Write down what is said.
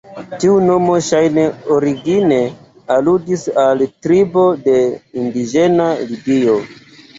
Tiu nomo ŝajne origine aludis al tribo de indiĝena Libio.